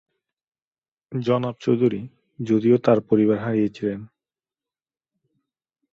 জনাব চৌধুরী, যদিও তার পরিবার হারিয়েছিলেন।